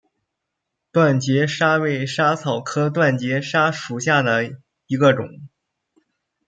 断节莎为莎草科断节莎属下的一个种。